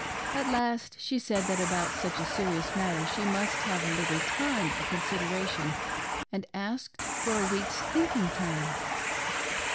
At last she said that about such a serious matter she must have a little ' time for consideration, and asked for a week's thinking time.